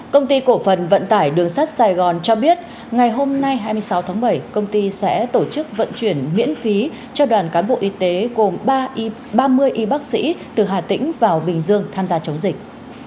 công ty cổ phần vận tải đường sắt sài gòn cho biết ngày hôm nay hai mươi sáu tháng bảy công ty sẽ tổ chức vận chuyển miễn phí cho đoàn cán bộ y tế gồm ba mươi y bác sĩ từ hà tĩnh vào bình dương tham gia chống dịch